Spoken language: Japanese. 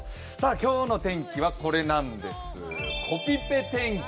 今日の天気はこれなんです、コピペ天気。